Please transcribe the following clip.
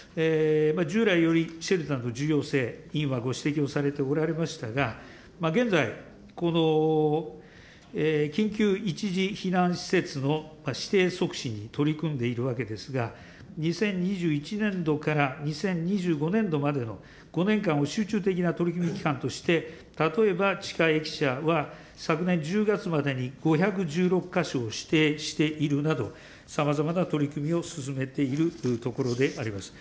従来よりシェルターの重要性、委員はご指摘をされておられましたが、現在、この緊急一時避難施設の指定促進に取り組んでいるわけですが、２０２１年度から２０２５年度までの５年間を集中的な取り組み期間として、例えば地下駅舎は、昨年１０月までに５１６か所を指定しているなど、さまざまな取り組みを進めているところであります。